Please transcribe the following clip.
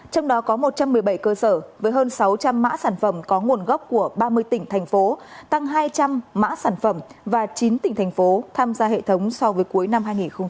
trong đó có một trăm một mươi bảy cơ sở với hơn sáu trăm linh mã sản phẩm có nguồn gốc của ba mươi tỉnh thành phố tăng hai trăm linh mã sản phẩm và chín tỉnh thành phố tham gia hệ thống so với cuối năm hai nghìn một mươi chín